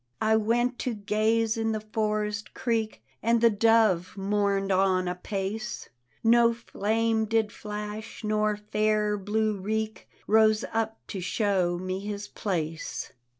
I went to gaze in the forest creek. And the dove mourn'd on apace; No flame did flash, nor fair blue reek Rose up to show me his place.